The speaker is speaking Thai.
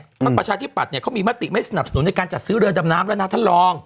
ประชาธิปัตยเนี่ยเขามีมติไม่สนับสนุนในการจัดซื้อเรือดำน้ำแล้วนะท่านรอง